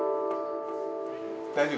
大丈夫？